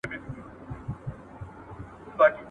موږ د خپل وزن په نورمال ساتلو بوخت یو.